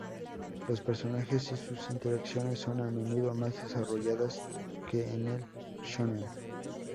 Los personajes y sus interacciones son a menudo más desarrolladas que en el "shōnen".